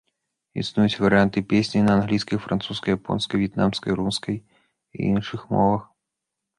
Існуюць варыянты песні на англійскай, французскай, японскай, в'етнамскай, рускай і іншых мовах.